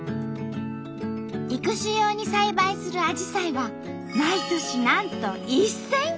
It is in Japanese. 育種用に栽培するアジサイは毎年なんと１，０００株。